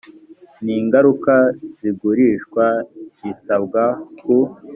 n ingaruka z igurishwa risabwa ku